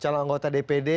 calon anggota dpd